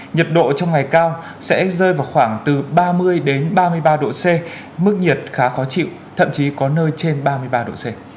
nhiệt độ trong ngày cao sẽ rơi vào khoảng từ ba mươi ba mươi ba độ c mức nhiệt khá khó chịu thậm chí có nơi trên ba mươi ba độ c